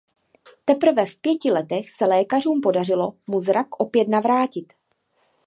Teprve v pěti letech se lékařům podařilo mu zrak opět navrátit.